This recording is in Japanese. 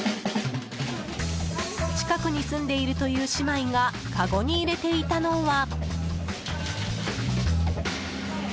近くに住んでいるという姉妹がかごに入れていたのは。